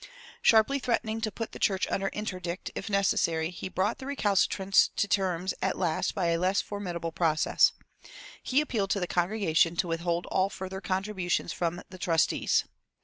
Sharply threatening to put the church under interdict, if necessary, he brought the recalcitrants to terms at last by a less formidable process. He appealed to the congregation to withhold all further contributions from the trustees.